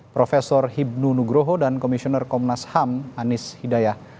prof hipnu nugroho dan komisioner komnas ham anies hidayah